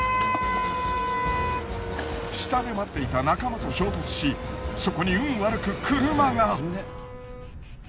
下で待っていた仲間と衝突しそこに運悪く車が。